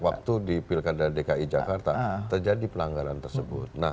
waktu dipilkan dari dki jakarta terjadi pelanggaran tersebut